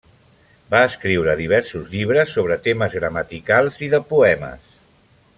Va escriure diversos llibres sobre temes gramaticals i de poemes.